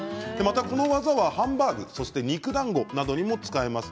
この技はハンバーグや肉だんごなどにも使えます。